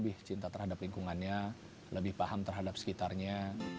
lebih cinta terhadap lingkungannya lebih paham terhadap sekitarnya